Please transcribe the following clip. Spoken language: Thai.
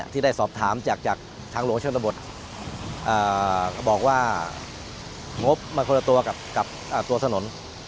ที่ได้สอบถามจากทางหลวงชนบทบอกว่างบมันคนละตัวกับตัวถนน